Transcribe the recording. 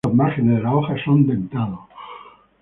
Los márgenes de las hojas son dentados.